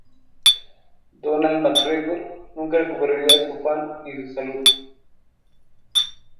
Donald MacGregor nunca recuperaría su afán ni su salud.